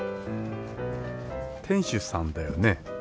店主さんだよね？